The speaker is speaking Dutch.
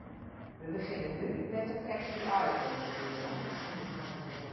We beginnen nu met de "catch-the-eye"procedure.